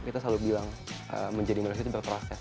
kita selalu bilang menjadi manusia itu berproses